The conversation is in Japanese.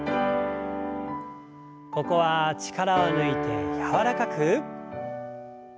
ここは力を抜いて柔らかく。